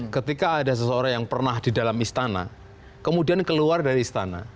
ketika ada seseorang yang pernah di dalam istana kemudian keluar dari istana